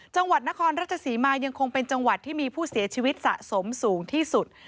จังหวัดนครราชศรีมายังคงเป็นจังหวัดที่มีผู้เสียชีวิตสะสมสูงที่สุด